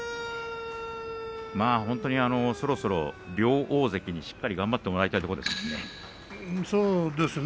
まあ本当にそろそろ両大関にしっかり頑張ってもらいたいところですね。